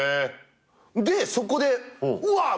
でそこでうわっ！